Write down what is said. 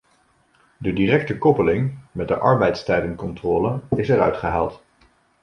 De directe koppeling met de arbeidstijdencontrole is eruit gehaald.